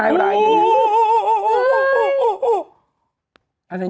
อะไรนี่